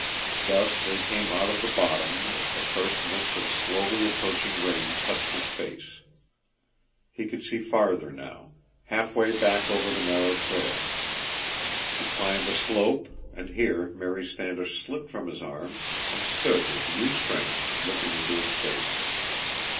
Thus they came out of the bottom as the first mist of slowly approaching rain touched his face. He could see farther now—half way back over the narrow trail. He climbed a slope, and here Mary Standish slipped from his arms and stood with new strength, looking into his face.